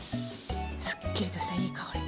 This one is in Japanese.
すっきりとしたいい香り。